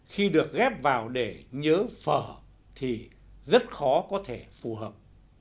khi được ghép vào để nhớ phở thì rất khó có thể phù hợp